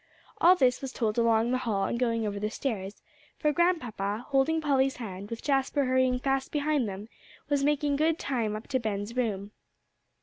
All this was told along the hall and going over the stairs; for Grandpapa, holding Polly's hand, with Jasper hurrying fast behind them, was making good time up to Ben's room.